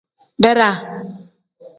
Beeda.